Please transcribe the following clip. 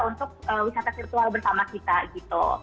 untuk wisata virtual bersama kita gitu